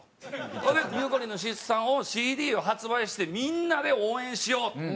それでゆうこりんの出産をＣＤを発売してみんなで応援しようと。